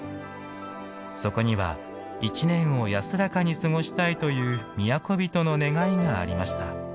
そこには、１年を安らかに過ごしたいという都人の願いがありました。